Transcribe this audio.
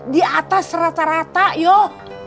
di atas rata rata yuk